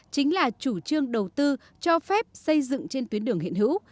chính là chủ trương đầu tư cho phép xây dựng trên tuyến đường hiện hữu